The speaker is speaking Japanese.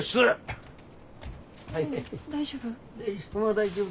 大丈夫？